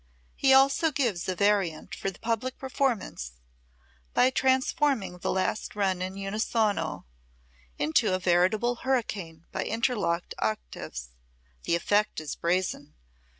He also gives a variant for public performance by transforming the last run in unisono into a veritable hurricane by interlocked octaves. The effect is brazen.